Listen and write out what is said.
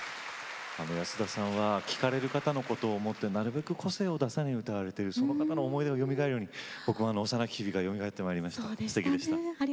安田さんは聴かれる方の個性を思ってなるべく個性を出さないように歌われているその方の思い出がよみがえるように僕は幼き日がよみがえってきました。